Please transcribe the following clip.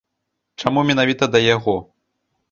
Чаму менавіта да яго?